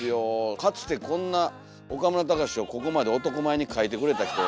かつてこんな岡村隆史をここまで男前に描いてくれた人。